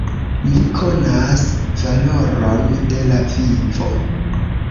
Mi konas valoron de la vivo!